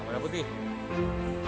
nah pada putih